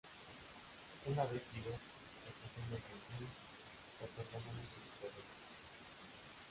Una vez libres, se fusionan con Crunch, otorgándole sus poderes.